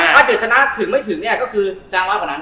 ถ้าเกิดชนะถึงไม่ถึงเนี่ยก็คือจางน้อยกว่านั้น